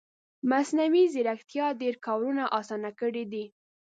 مصنوعي ځیرکتیا ډېر کارونه اسانه کړي دي